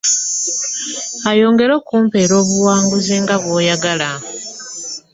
Ayongere akumpeere obuwangaazi nga bw'oyagala.